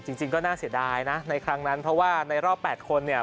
จริงก็น่าเสียดายนะในครั้งนั้นเพราะว่าในรอบ๘คนเนี่ย